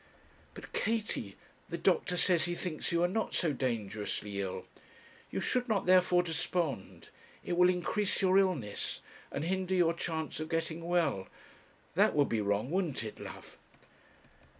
'But, Katie, the doctor says that he thinks you are not so dangerously ill; you should not, therefore, despond; it will increase your illness, and hinder your chance of getting well. That would be wrong, wouldn't it, love?'